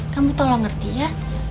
kamu tolong ngerti ya